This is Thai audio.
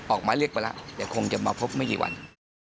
ออกมาเรียกไปแล้วแต่คงจะมาพบไม่กี่วัน